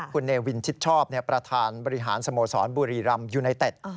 คุณเนวินชิดชอบประธานบริหารสโมสรบุรีรำยูไนเต็ด